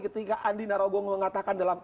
ketika andi narogong mengatakan dalam